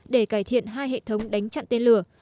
để cải thiện hai hệ thống đánh chặn tên lửa